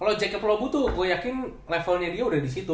kalo jacob lobu tuh gue yakin levelnya dia udah disitu